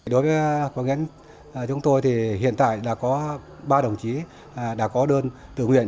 đối với quang hiến chúng tôi thì hiện tại đã có ba đồng chí đã có đơn tự nguyện